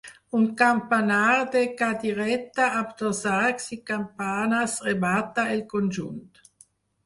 Un campanar de cadireta amb dos arcs i campanes remata el conjunt.